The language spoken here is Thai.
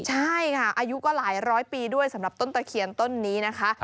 ใช่ค่ะอายุก็หลายร้อยปีด้วยสำหรับต้นตะเคียนต้นนี้นะคะ